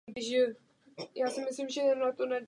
Byl členem hospodářského výboru a petičního výboru.